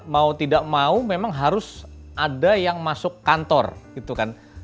mau tidak mau memang harus ada yang masuk kantor gitu kan